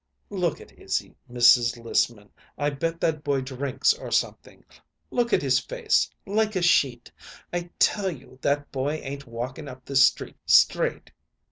"Look at Izzy, Mrs. Lissman. I bet that boy drinks or something. Look at his face like a sheet! I tell you that boy ain't walking up this street straight.